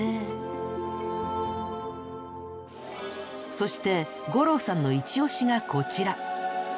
そして五郎さんのイチ推しがこちら。